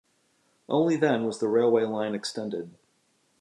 Only then was the railway line extended.